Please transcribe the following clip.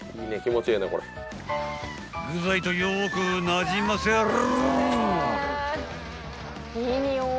［具材とよくなじませる！］